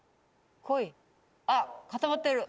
あっ固まってる。